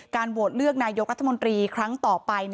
โหวตเลือกนายกรัฐมนตรีครั้งต่อไป